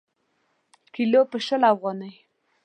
کیلـو په شل افغانۍ.